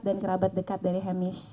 dan kerabat dekat dari hemish